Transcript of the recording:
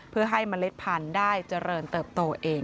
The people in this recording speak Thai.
เพื่อให้เมล็ดพันธุ์ได้เจริญเติบโตเอง